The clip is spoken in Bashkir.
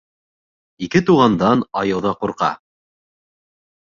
Ике туғандан айыу ҙа ҡурҡа.